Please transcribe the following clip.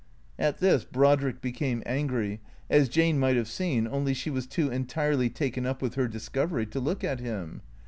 At this Brodrick became angry, as Jane might have seen, only she was too entirely taken up with her discovery to look at him.